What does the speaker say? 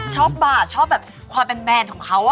ชอบบ้านชอบแบบความแมรนด์แบนของเขา